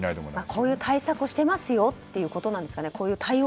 こういう対策、対応をしてますよということですかね。